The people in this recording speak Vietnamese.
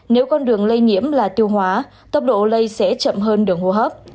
nếu con đường lây nhiễm là tiêu hóa tốc độ lây sẽ chậm hơn đường hô hấp